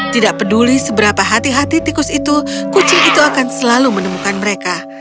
tidak peduli seberapa hati hati tikus itu kucing itu akan selalu menemukan mereka